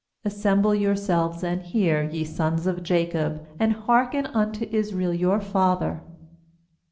2Assemble yourselves, and hear, ye sons of Jacob; And hearken unto Israel your father.